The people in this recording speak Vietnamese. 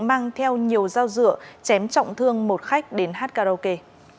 mang theo nhiều dao dựa chém trọng thương một khách đến hát karaoke